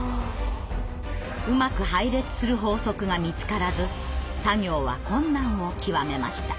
うまく配列する法則が見つからず作業は困難を極めました。